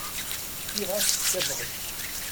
Fkiɣ-ak tabɣest.